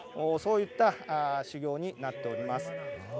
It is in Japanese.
そういった修行になっております。